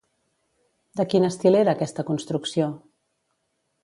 De quin estil era aquesta construcció?